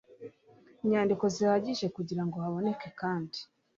inyandiko zihagije kugirango haboneke kandi